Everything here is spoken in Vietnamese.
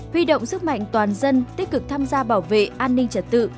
huy động sức mạnh toàn dân tích cực tham gia bảo vệ an ninh trật tự